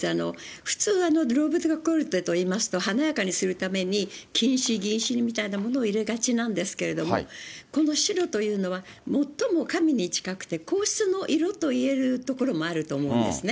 普通、ローブデコルテといいますと、華やかにするために、金糸、銀糸みたいなものを入れがちなんですけれども、この白というのは最も神に近くて、皇室の色といえるところもあると思うんですね。